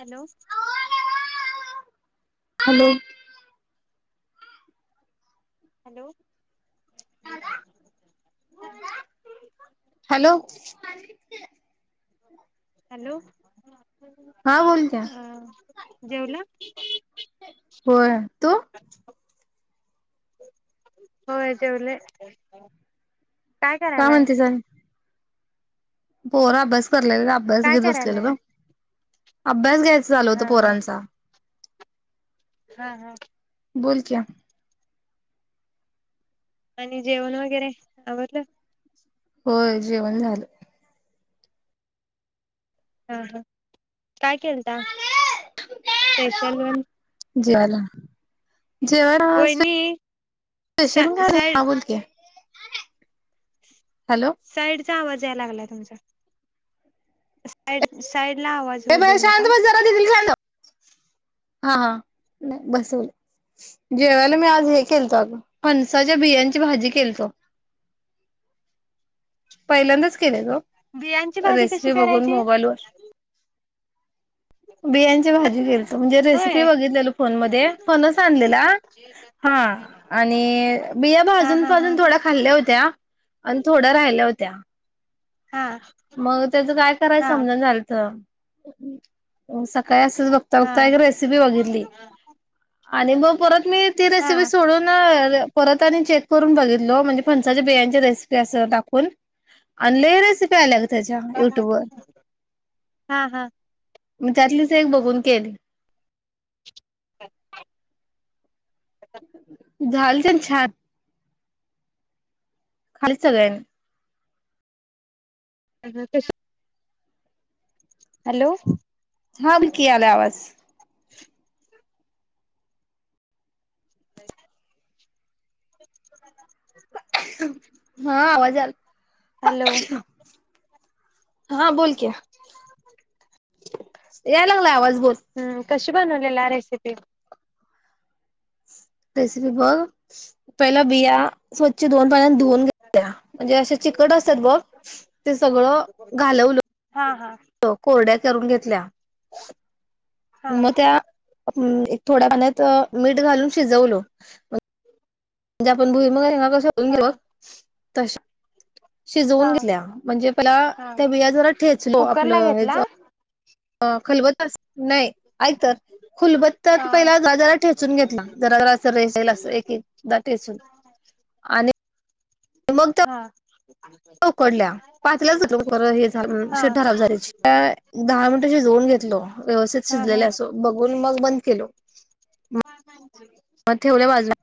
Hello hello hello [unintelligible] hello हा बोलत्या अ जेवला होय तू होय जेवले काय करालाय? म्हणतेस आणि पोर अभ्यास करालेत. अभ्यास काय घेत बसलेला करायलाय ग. अभ्यास घ्यायच चालू होत हा हा पोरांचा. हा, हा. बोल क्या? आणि जेवण वगैरे आवरलं. होय जेवण झालं. अ ह काय केलता [inaudible] स्पेशल वन. जेवायला जेवण आज [inaudible] वहिनी सा स्पेशल काय नाई हा साईड बोल की. हॅलो साईडचा आवाज याय लागलाय तुमच्या [inaudible] साईड साईड ला आवाज ए होऊ बाळ देऊ शांत नका बस जरा दीदी [unintelligible] [inaudible] हा हा नाई बसवलं. जेवायला मी आज हे केलतो अगं फणसाच्या बियाची भाजी केलतो. पहिल्यांदाच केलंय ग बियांची भाजी कशी रेसिपी बघून करायची मोबाईलवर. बियांची भाजी केलतो म्हणजे रेसिपी होय बघितलेल फोन मदे फणस आणलेला हा आणि बिया हा भाजून हा हा भाजून थोड्या खाल्ल्या होत्या आणि थोड्या राहि ल्या होत्या. हा मग त्याचं काय करायच हा समजना झालंत. सकाळी असच बघता बघता हा एक रेसिपी बघितली. आणि मग परत मी ती रेसिपी हा सोडून अ परत आणि चेक करून बघितलो म्हणजे फणसाच्या बियांची रेसिपी अस टाकून आणि लई रे तेच्या युट्यूब वर हा हा [inaudible] म त्यातलीच एक बगून केली. [unintelligible] [inaudible] झाली तेन छान. खाल्लीत सगळ्यांनी. मग कशी? हॅलो. हा विकी आलाय आवाज. [unintelligible] [inaudible] हा आवाज हॅलो. हा बोल क्या. [inaudible] याय लागला आवाज बोल. कुनी बनवलेला रेसिपी? [inaudible] रेसिपी बघ पहिला बिया स्वच्छ दोन पाण्यानं धुणं घेतल्यात. म्हणजे असे चिकट असतात बघ ते सगळं घालवलं. हा, हा. कोरड्या करून घेतल्या हा मग त्या हम्म त्या थोड्या पाण्यात मीठ घालून शिजवलो. म्हणजे आपण भुईमूग शेंगा कस धोऊन हा घेऊत तशा. शिजवून हा घेतल्या म्हणजे पला हा त्या बिया जरा ठेचलो कुकर ला आपलं हेज घेतला अ खलबत्या सार नाय. ऐक तर हा खुलबत्त्यात पहिला जरासं ठेचून घेतला जरा ज अस रेचल अस एक-एक. टेचुन आणि मग त्या हा. उकडल्या पाचल्याच शिजवून बरं हे झाल. हा शीट खराब झाली ह्याची दहा मिनट शिजवून घेतलो. व्यवस्थित हा हा शिजलेल हा अस बघून मग बंद केलो. [unintelligible] मग ठेवला बाजूला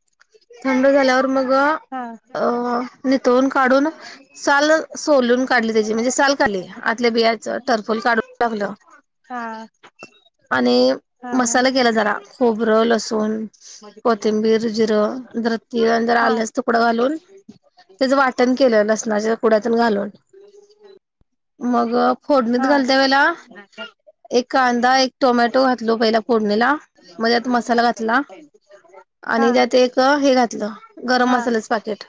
[unintelligible] थंड झाल्यावर मग अ हा अ निथळून काढून साल सोलून काढ. का त्या म्हणजे साल काढल्या बियाच ठरफल काढू टाकलं. हा हा आणि हा हा मसाला केला जरा खोबरं लसूण. [unintelligible] कोथिंबीर जिरं जरा तीळ अन हा हा आल्याचा तुकडा घालून त्याचं वाटण केलं लसणाच पुड्यातून घालून मग फोडणीत घाल त्या वेला एक कांदा एक टोमॅटो घातलो पहिला फोडणीला मगं त्यात मसाला घातला. [unintelligible] आणि त्यात एक हे घातलं गरम मसाल्याच पाकेट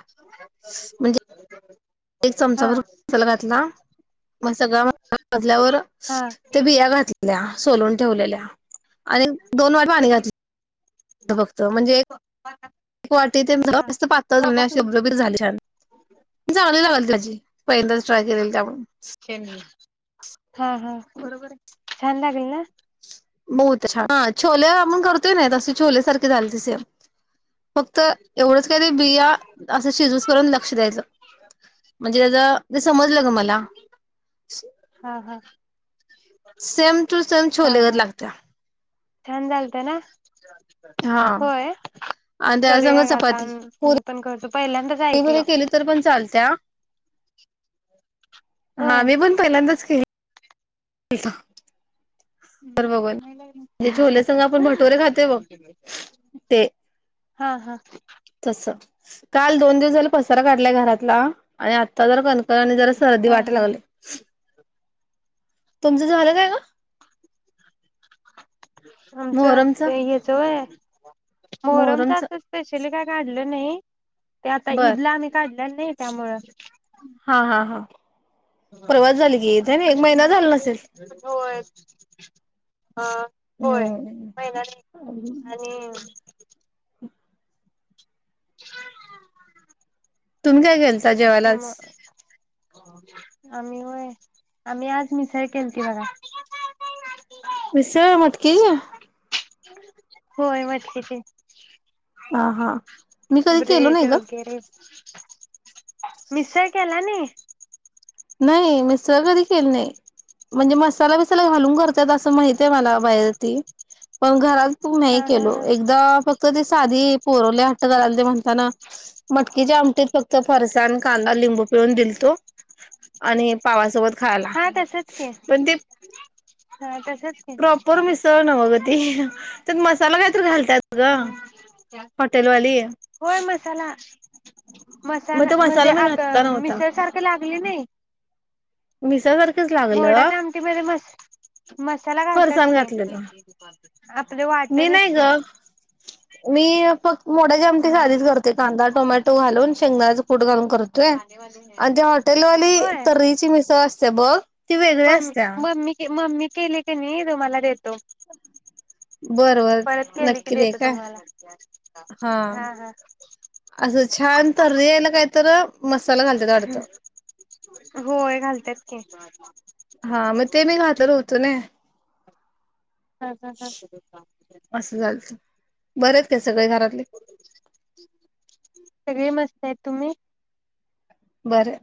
म्हणजे एक चमचा हा भर मसाला घातला. मग सगळा मसाला भाजल्यावर हा त्या बिया घातलेल्या सोलून ठेवलेल्या. आणि [inaudible] दोन वेळा पाणी घातल बघतो म्हणजे एक वाटी ते हा मस्त तो पातळ अभ्यास रबरबीत झाली छान चांगली लागल [unintelligible] पहिंदाच ट्राय केलेल त्या आपण [unintelligible] हा हा बरोबर हाय छान लागलं ना. बहुत छान ह छोले आपण करतोय ना तसे छोल्या सारखे झाले तसे सेम फक्त एवढंच काय ते बिया असं शिजूस तवर लक्ष द्यायचं. म्हणजे हेज ते समजलं ग मला हा हा सेम टू सेम हा छोले हा गत लागत. छान झालत तना हा होय.. आणि त्या संग करूया ग आता चपाती मी पुरी पण कर पहिल्यांदाच आयकलो पुरी केली तर पण चालत्या हा होय मी पण पहिल्यांदाच की [unintelligible] संग आपण भटोरे खातोय [unintelligible] बघ ते हा हा तस काल दोन दिवस झाले पसारा काढलाय घरातला आणि आता जर कणकण आणि जरा सर्दी हा वाटाय हा लागले. [inaudible] तुमचं झालंच काय ओ? [unintelligible] आमचं ते हेच होय [unintelligible] मोहरमच अस स्पेशली काय काढलं नाही. ते आता बर ईदला आम्ही काढल्या नाही त्यामुळं हा हा हा परवाच झाली की एक महिना झाला नसेल [unintelligible] होय अ होय हम्म [unintelligible] नी आणि [unintelligible] तुम्ही काय केलता जेवायला आज म [unintelligible] आम्ही व्हय आम्ही आज मिसळ केलती बघा. मिसळ मटकी होय मटकीची ह हा मी कधी केलो ब्रेड नाही ग. [inaudible] मिसळ केला नाही.. नाही मी मिसळ कधी केली नाही म्हणजे मसाला बिसाला घालून करत त असं माहिते मला बाहेर त पण घरात. तू नाही हा हा केलो हा एकदा फक्त ते साधी पोरवले करा ते म्हणताना मटकीच्या आमटीत फक्त फरसाण कांदा लिंबू पिळून दिलतो [inaudible] आणि पावासोबत खायला. हा तसच की पण ते हा तसच की प्रॉपर मिसळ नव्ह ग ती, त्यात मसाला काहीत घालत्यात ग. हम्म होटल वाली होय मसाला मसाला म्हणजे आता नव्हता मिसळ सारखे लागली नाही? मिसळ सारखंच लागलं मोडाच्या आमटीमध्ये मस मसाला घालतात फरसाण की घातलेलं आपले मी वाटणच नाही की ग, मी फक्त मोडाच्या आमटी हम्म साधीच करते. कांदा, टोमॅटो घालून, शेंगदाच कूड घालून करतोय. आणि त्या हॉटेलवाली तर्रीची मिसळ असते बघ ती वेगळी म् असत्या मम्मी मम्मी केली कनी तुम्हाला देतो. बर बर परत केली नक्की कि दे देतो काय तुम्हाला. हा हा. असं छान तर्री यायला काय तर मसाला घालतात वाडत. होय घालतात की हा मग ते मी घातलं होतो ना हा हा हा. असं झालत बरे आहेत काय सगळे घरातले सगळी मस्त आहेत. तुम्ही? बरं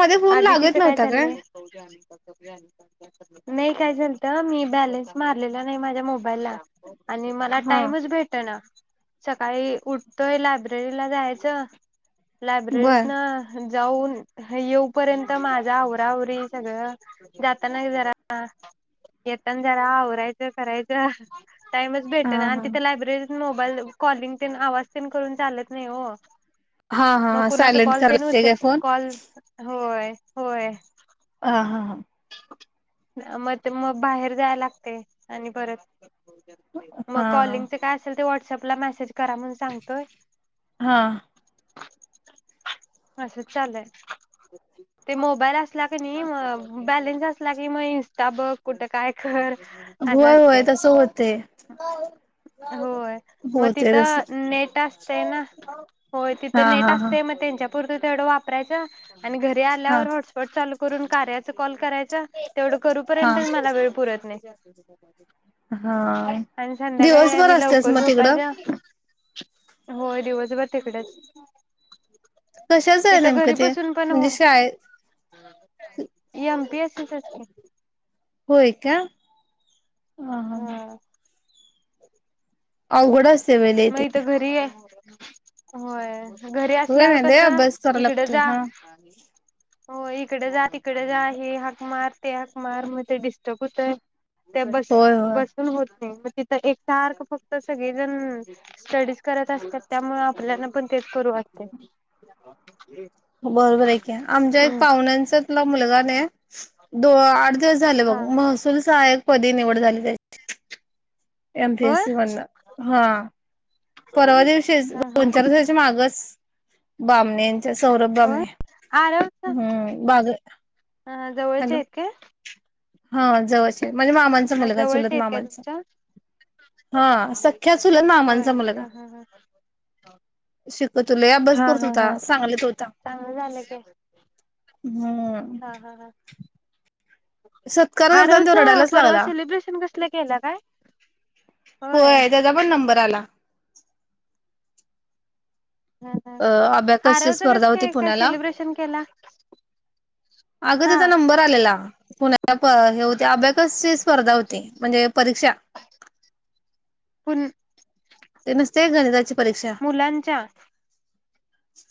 मध्ये फोन आदितीच लागत काय नव्हता चाललंय! नाही काय चाल मी बॅलन्स मारलेला नाही माझ्या मोबाईलला आणि मला हा टाइमच भेट ना सकाळी उठतोय, लायब्ररीला जायचं. बर लायब्ररीतन जाऊन येऊपर्यंत माझा आवरा आवरी सगळं, जाताना जरा येेताना जरा आवरायचं, करायचं. टाईमच हा भेटना नाही आणि हा तिथे लायब्ररीत मोबाईल कॉलिंग ते आवाज ते करून चालत नाही हो. हा हा मग हा कुणाचा सायलेंट कॉल करायला ते न लागते उचल, काय फोन कॉल? होय. होय. ह हा ह मग ते मग बाहेर जाय लागते, आणि परत मग हा हा कॉलिंगचे काय असेल ते, व्हॉट्सअपला मेसेज करा म्हण सांगतोय. हा असच चालूहाय. ते मोबाईल असला कनी मग बॅलेन्स असला की, मग इंस्टा बघ कुठे, काय कर असं होय. होय. असतय. तस होतय. होय. मग होते तिथं नेट असतय ना होय. हा तिथं हा नेट हा असते मग त्यांच्या तात्पुरत्या वापरायच. आणि घरी आल्या हा वर हॉटस्पॉट चालू, करून कार्याच कॉल करायच. तेवढं हा करूपर्यंतच मला वेळ पुरत नाही हा आणि संध्याकाळी दिवसभर आणि असतेस लवकर मग तिकडं झोपायच होय. दिवसभर तिकडच कशाच आहे इथ घरी नेमकं ते बसून पण हो म्हणजे शाळेत एम पी एस च की होय का? ह ह अवघड असतं मग हीत घरी ये. होय. घरी होय असल्यावर ना लय कसं, अभ्यास करावा इकडं लागतोय जा हा हो. इकडे जा, तिकडे जा, हे हाक मार, ते हाक मार. मग ते डिस्टर्ब होतय. त्या बस होय होय बसून होत नाही. मग तिथं एक सारखं फक्त सगळेजण स्टडीज करत असतात, त्यामुळे आपल्याला पण तेच करू वाटतय बरोबर आहे की, आमच्या एक पाहुण्यांचातला मुलगा नाही, दो आठ दिवस झालं बघ. हा महसूल सहायक पदी निवड झाली त्याची एम पी एस होय सी मधन. हा. परवा दिवशीच, हा हा दोन चार दिवसाच्या माग बामणेच, सौरभ बामणे ह हम्म बाग जवळचे हॅलो आहेत हा जवळचे म्हणजे मामांचा ह मुलगा चुलत जवळच्या आहेतेत काय मामांचा तुमच्या हा सख्या चुलत मामांचा होय मुलगा हा हा हा तुला अभ्यास हा करत हा होता हा सांगलीत होता चांगलं झालं की हम्म हा हा हा. सत्कार आरवच करताना तो रडायलाच परवा लागला सेलिब्रेशन कसलं केला काय होय त्याचा पण नंबर आला ह ह अ अबॅकसची आरवच कसे स्पर्धा होती काय काय पुण्याला सेलिब्रेशन केला अगं हा त्याचा नंबर आलेला पुण्या हे होते अभ्याकसची स्पर्धा होती म्हणजे परीक्षा पुन्हा ते नस्त ते का गणिती चा मुलांच्या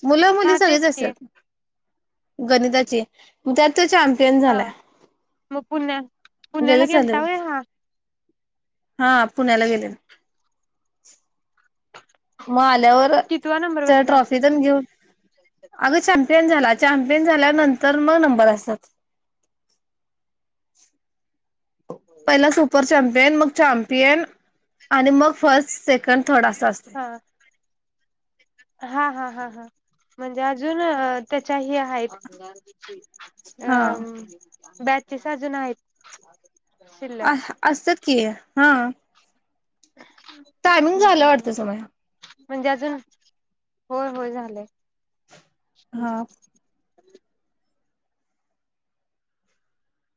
मुलं मुली हा तेच सगळीच की असतात गणिताची त्यात चॅम्पियन हा झाला मग पुण्या पुण्याला तेच झाले गेलता व्हय हा हा पुण्याला गेले मग आल्यावर कितवा नंबर च बसला ट्रॉफी पण घेऊन अग चॅम्पियन झाला चॅम्पियन झाल्यानंतर मग नंबर असतात पहिला सुपर चॅमपियन मग चॅमपियन आणि मग फर्स्ट सेक हा हा हा हा हा म्हणजे अजून त्यांच्या हे आहेत हा बेंचस अजून आहेत अ शिल्लक असतात की हा टायमिंग हम् झालं हम् हम् वाटतं समय म्हणजे अजून होय होय झालंय हा हच्